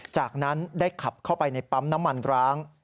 จากนั้นได้ขับเข้าไปในปั๊มน้ำมันร้าง